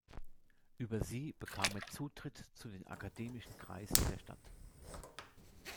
Über sie bekam er Zutritt zu den akademischen Kreisen der Stadt.